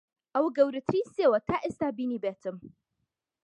ئەوە گەورەترین سێوە تا ئێستا بینیبێتم.